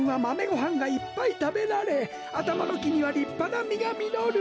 ごはんがいっぱいたべられあたまのきにはりっぱなみがみのる。